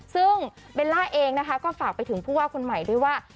ซึ่งเบลล่าเองนะคะก็ฝากไปถึงผู้ว่าคนใหม่ด้วยว่า